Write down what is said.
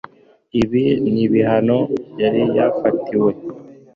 ibi nibihano yari yafatiwe